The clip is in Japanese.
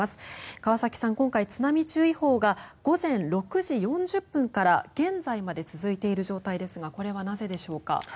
川崎さん、今回津波注意報が午前６時４０分から現在まで続いている状態ですがこれはなぜでしょうか？